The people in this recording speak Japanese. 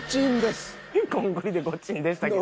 コンクリでゴチンでしたけど。